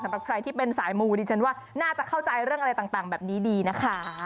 สำหรับใครที่เป็นสายมูดิฉันว่าน่าจะเข้าใจเรื่องอะไรต่างแบบนี้ดีนะคะ